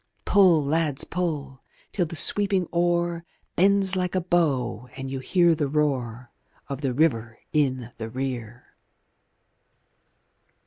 Pull, lads, pull! till the sweeping oar Bends like a bow and you hear the roar Of the river in the rear.